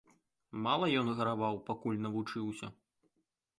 Мала ён гараваў, пакуль навучыўся?